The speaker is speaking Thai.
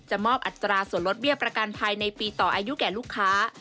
มอบอัตราส่วนลดเบี้ยประกันภัยในปีต่ออายุแก่ลูกค้า